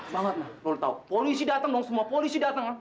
banget lo udah tau polisi dateng dong semua polisi dateng kan